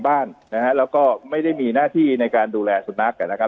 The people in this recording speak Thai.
บ้านนะฮะแล้วก็ไม่ได้มีหน้าที่ในการดูแลสุนัขนะครับ